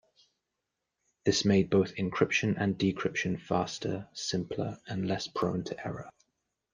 This made both encryption and decryption faster, simpler and less prone to error.